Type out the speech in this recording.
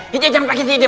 hijah jangan pake hijah